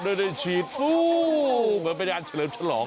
โดยฉีดโอ้วเหมือนเป็นยานเฉลิมฉลอง